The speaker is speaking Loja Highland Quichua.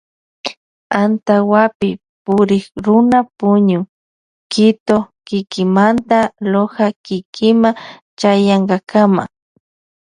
Antawapi purikruna puñun Quito kitimanta Loja kitima chayankakama.